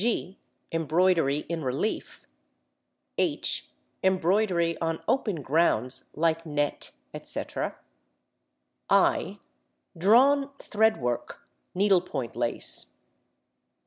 (g) Embroidery in relief. (h) Embroidery on open grounds like net, etc. (i) Drawn thread work; needlepoint lace.